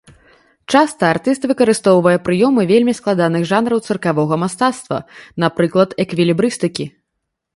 Часта артыст выкарыстоўвае прыёмы вельмі складаных жанраў цыркавога мастацтва, напрыклад, эквілібрыстыкі.